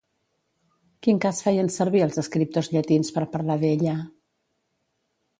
Quin cas feien servir els escriptors llatins per parlar d'ella?